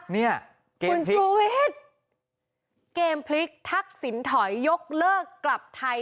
เนี่ยคุณชูวิทย์เกมพลิกทักษิณถอยยกเลิกกลับไทย